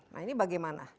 nah ini bagaimana